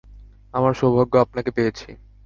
আমার সৌভাগ্য আপনাকে পেয়েছি।